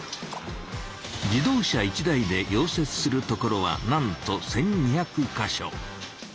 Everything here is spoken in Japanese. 自動車１台で溶接するところはなんと１２００か所。